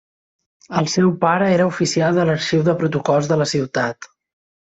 El seu pare era oficial de l'Arxiu de protocols de la ciutat.